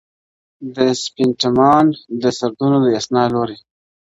د سپینتمان د سردونو د یسنا لوري.